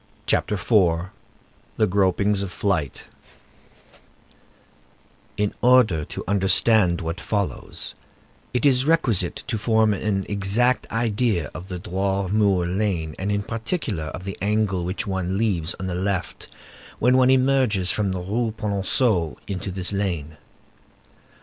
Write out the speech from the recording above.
CHAPTER IV—THE GROPINGS OF FLIGHT In order to understand what follows, it is requisite to form an exact idea of the Droit Mur lane, and, in particular, of the angle which one leaves on the left when one emerges from the Rue Polonceau into this lane.